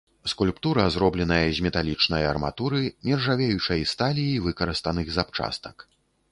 Скульптура зробленая з металічнай арматуры, нержавеючай сталі і выкарыстаных запчастак.